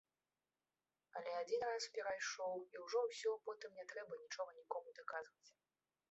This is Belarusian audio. Але адзін раз перайшоў, і ўжо ўсё, потым не трэба нічога нікому даказваць.